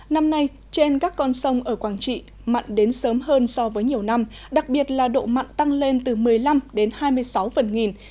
năm nay trên các con sông ở quảng trị mặn đến sớm hơn so với nhiều năm đặc biệt là độ mặn tăng lên từ một mươi năm đến hai mươi sáu phần nghìn